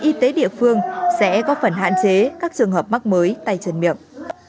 y tế địa phương sẽ có phần hạn chế các trường hợp mắc mới tay chân miệng